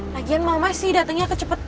lagian mama sih datengnya kecepetan